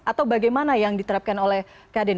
atau bagaimana yang diterapkan oleh kadin